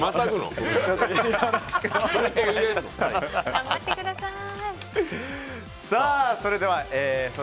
頑張ってください！